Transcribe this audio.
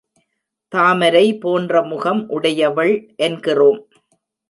தாமரை போன்ற முகம் உடையவள் என்கிறோம்.